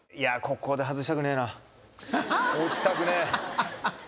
ここで外したくねえなははっ落ちたくねえ